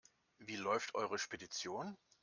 Wie läuft eure Spedition?